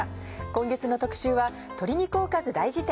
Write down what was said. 今月の特集は「鶏肉おかず大辞典」。